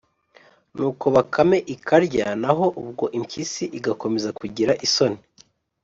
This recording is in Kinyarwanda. nuko bakame ikarya, naho ubwo impyisi igakomeza kugira isoni,